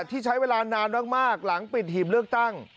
ที่ใช้เวลานานมากหลังปิดหีบเลือกตั้ง